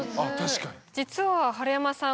実は春山さん